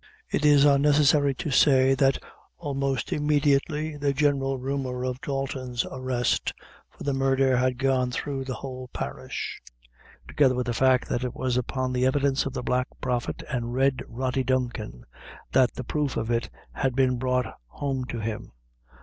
It is unnecessary to say, that almost immediately the general rumor of Dalton's arrest for the murder had gone through the whole parish, together with the fact that it was upon the evidence of the Black Prophet and Red Rody Duncan, that the proof of it had been brought home to him.